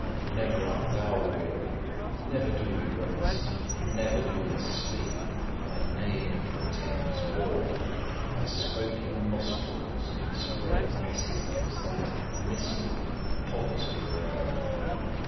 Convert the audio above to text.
Never art thou weary! Never do we rest! Never do we sleep! Thy neighing portends war; thy smoking nostrils spread a pestilence that, mist like, hovers over earth.